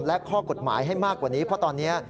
และข้อกฎหมายให้มากกว่านี้เพราะตอนนี้